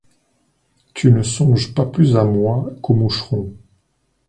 Tu ne songes pas plus à moi qu'au moucheron